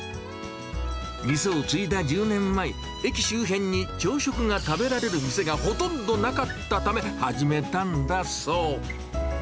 店を継いだ１０年前、駅周辺に朝食が食べられる店がほとんどなかったため、始めたんだそう。